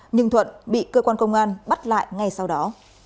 nhưng thuận bị cơ quan công an bắt lại ngay sau đó